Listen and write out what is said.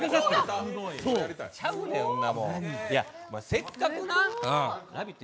せっかくな「ラヴィット！」